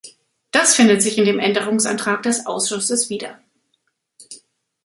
Das findet sich in dem Änderungsantrag des Ausschusses wieder.